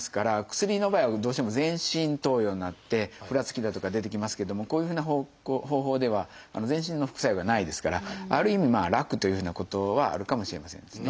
薬の場合はどうしても全身投与になってふらつきだとか出てきますけどもこういうふうな方法では全身の副作用がないですからある意味楽というふうなことはあるかもしれませんですね。